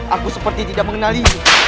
aku seperti tidak mengenali